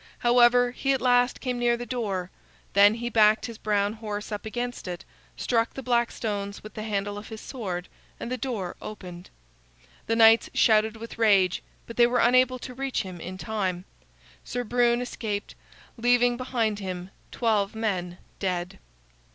However, he at last came near the door; then he backed his brown horse up against it, struck the black stones with the handle of his sword, and the door opened. The knights shouted with rage, but they were unable to reach him in time. Sir Brune escaped, leaving behind him twelve men dead.